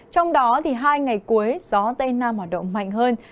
trong đó hai ngày cuối gió tây nam hoạt động mạnh hơn